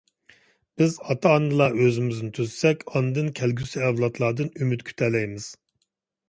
بىز ئاتا-ئانىلار ئۆزىمىزنى تۈزىسەك، ئاندىن كەلگۈسى ئەۋلادلاردىن ئۈمىد كۈتەلەيمىز.